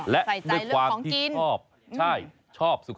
และไว้ความที่ชอบ